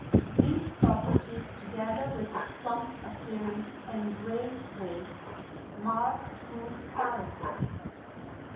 These properties, together with the plump appearance and great weight, mark good qualities.